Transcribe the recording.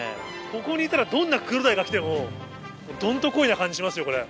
ここにいたらどんなクロダイが来てもどんと来いな感じしますよこれ。